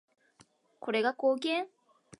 これが貢献？